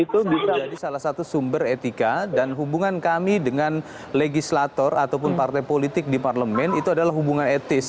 itu menjadi salah satu sumber etika dan hubungan kami dengan legislator ataupun partai politik di parlemen itu adalah hubungan etis